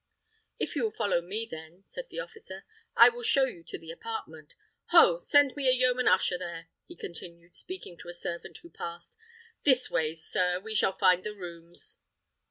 "If you will follow me, then," said the officer, "I will show you to the apartment. Ho! send me a yeoman usher there," he continued, speaking to a servant who passed. "This way, sir, we shall find the rooms."